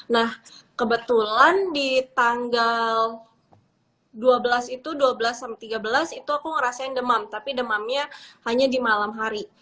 nah kebetulan di tanggal dua belas itu dua belas sampai tiga belas itu aku ngerasain demam tapi demamnya hanya di malam hari